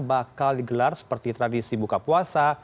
bakal digelar seperti tradisi buka puasa